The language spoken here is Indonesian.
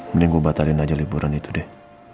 mending gue batarin aja liburan itu deh